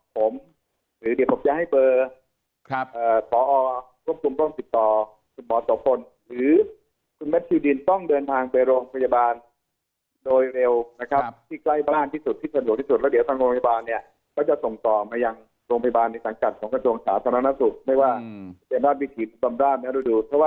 ขอมูลของการสร้างข้อมูลของการสร้างข้อมูลของการสร้างข้อมูลของการสร้างข้อมูลของการสร้างข้อมูลของการสร้างข้อมูลของการสร้างข้อมูลของการสร้างข้อมูลของการสร้างข้อมูลของการสร้างข้อมูลของการสร้างข้อมูลของการสร้างข้อมูลของการสร้างข้อมูลของการสร้างข้อมูลของการสร้างข้อมูลของการสร